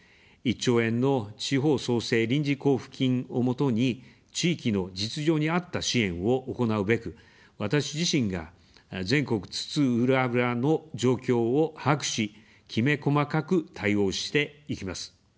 １兆円の地方創生臨時交付金を基に、地域の実情に合った支援を行うべく、私自身が全国津々浦々の状況を把握し、きめ細かく対応していきます。